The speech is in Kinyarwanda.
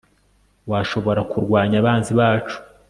washobora kurwanya abanzi bacu